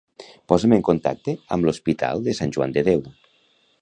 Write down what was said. Posa'm en contacte amb l'Hospital de Sant Joan de Déu.